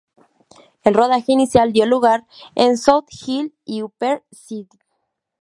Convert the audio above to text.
El rodaje inicial dio lugar en South Hill y Upper St.